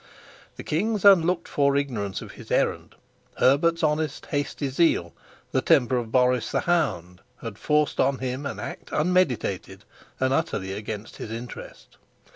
The king's unlooked for ignorance of his errand, Herbert's honest hasty zeal, the temper of Boris the hound, had forced on him an act unmeditated and utterly against his interest.